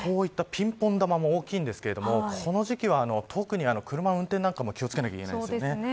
ピンポン球も大きいんですけどこの時期は特に車の運転なども気を付けないといけないです。